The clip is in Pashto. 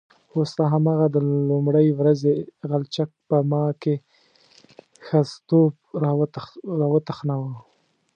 هو ستا هماغه د لومړۍ ورځې غلچک په ما کې ښځتوب راوتخناوه.